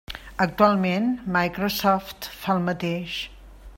Actualment, Microsoft fa el mateix.